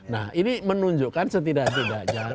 nah ini menunjukkan setidak tidaknya